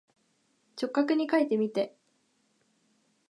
直角にかいてみて。